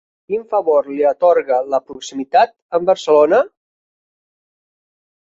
Quin favor li atorga la proximitat amb Barcelona?